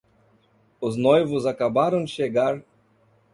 Os noivos acabaram de chegar